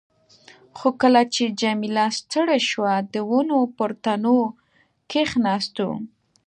خو کله چې جميله ستړې شوه، د ونو پر تنو کښېناستو.